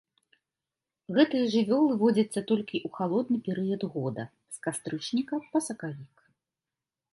Гэтыя жывёлы водзяцца толькі ў халодны перыяд года з кастрычніка па сакавік.